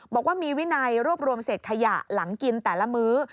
บอกว่ามีวินัยรวบรวมเศษขยะหลังกินแต่ละมื้อ